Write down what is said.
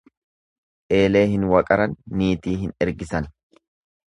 Eelee hin waqaran niitii hin ergisan.